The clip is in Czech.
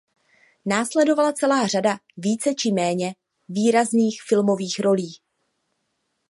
Následovala celá řada více či méně výrazných filmových rolí.